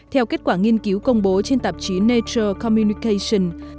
theo kết quả nghiên cứu công bố trên tạp chí nature communication